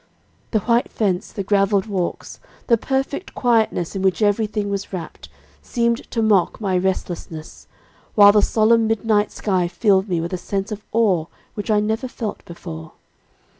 "The white fence, the graveled walks, the perfect quietness in which everything was wrapped, seemed to mock my restlessness, while the solemn midnight sky filled me with a sense of awe which I never felt before.